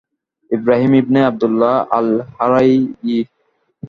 Ibrahim ibn Abdullah আল-হারাউয়ি